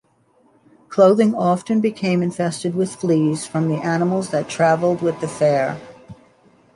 Clothing often became infested with fleas from the animals that travelled with the fair.